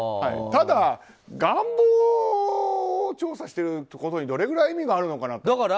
ただ、願望を調査してることにどれぐらい意味があるのかなと。